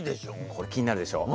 これ気になるでしょう？